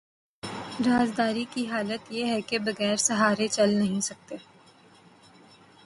زرداری کی حالت یہ ہے کہ بغیر سہارے چل نہیں سکتے۔